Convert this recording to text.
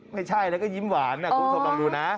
ไม่ใช่แล้วก็ยิ้มหวานคุณผู้ชมลองดูนะ